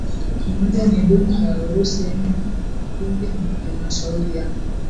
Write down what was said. moja ni duma ya Urusi yenye wabunge na Halmashauri ya